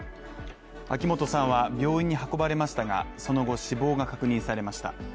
秋元さんは病院に運ばれましたがその後、死亡が確認されました。